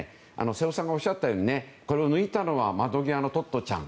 瀬尾さんがおっしゃったようにこれを抜いたのは「窓際のトットちゃん」。